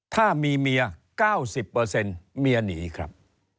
ถ้ามีเมีย๙๐เมียหนีครับ